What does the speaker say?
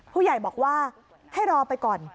ผู้ใหญ่บอกว่าให้รอไปก่อน